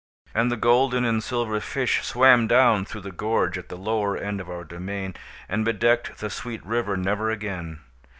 And the golden and silver fish swam down through the gorge at the lower end of our domain and bedecked the sweet river never again.